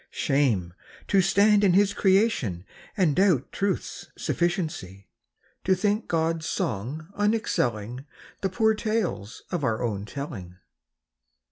Shame ! to stand in His creation And doubt Truth's sufficiency! To think God's song unexcelling The poor tales of our own telling.